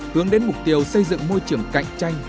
hướng đến mục tiêu xây dựng môi trường cạnh tranh